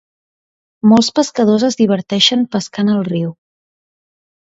Molts pescadors es diverteixen pescant al riu.